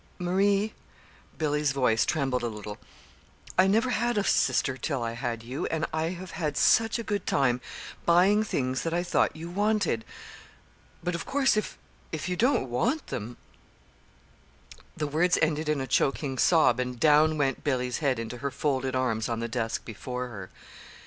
Marie," Billy's voice trembled a little "I never had a sister till I had you, and I have had such a good time buying things that I thought you wanted! But, of course, if you don't want them " The words ended in a choking sob, and down went Billy's head into her folded arms on the desk before her.